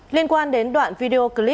liên quan đến đoạn video kết thúc